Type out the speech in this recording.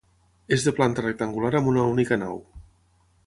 És de planta rectangular amb una única nau.